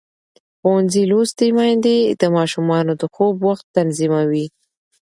ښوونځې لوستې میندې د ماشومانو د خوب وخت تنظیموي.